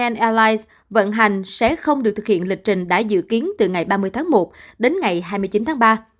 airlines vận hành sẽ không được thực hiện lịch trình đã dự kiến từ ngày ba mươi tháng một đến ngày hai mươi chín tháng ba